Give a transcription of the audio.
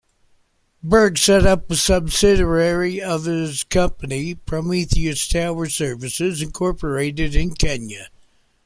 Berg set up a subsidiary of his company, Prometheus Tower Services, Incorporated in Kenya.